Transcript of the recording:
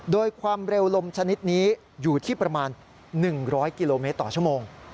โดยความเร็วลมชนิดนี้อยู่ที่ประมาณ๑๐๐กิโลเมตรต่อชั่วโมง